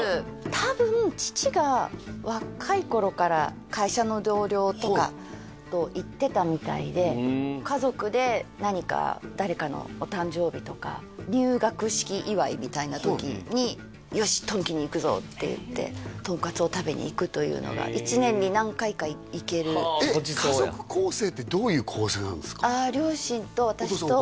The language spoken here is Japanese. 多分父が若い頃から会社の同僚とかと行ってたみたいで家族で何か誰かのお誕生日とか入学式祝いみたいな時によしとんきに行くぞって言ってとんかつを食べに行くというのが１年に何回か行けるえっ家族構成ってどういう構成なんですか？